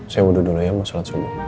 saya wudhu dulu ya mau sholat semua